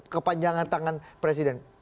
kepanjangan tangan presiden